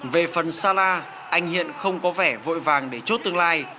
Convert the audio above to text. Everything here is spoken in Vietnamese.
về phần salah anh hiện không có vẻ vội vàng để chốt tương lai